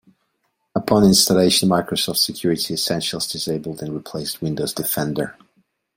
Upon installation, Microsoft Security Essentials disabled and replaced Windows Defender.